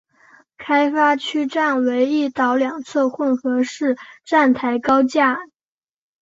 开发区站为一岛两侧混合式站台高架站。